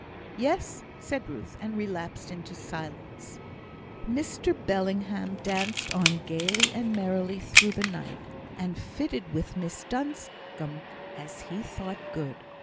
"Yes," said Ruth, and relapsed into silence. Mr Bellingham danced on gaily and merrily through the night, and flirted with Miss Duncombe, as he thought good.